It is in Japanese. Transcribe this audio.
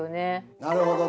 なるほどね。